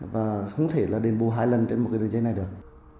và không thể là đền bù hai lần trên một cái đường dây này được